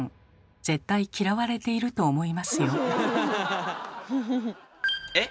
絶対嫌われていると思いますよ。